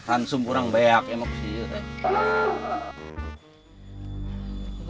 ransum kurang beak emak sih